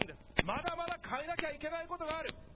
まだまだ変えなきゃいけないことがある。